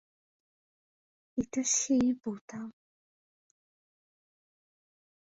এটা সেই বোতাম।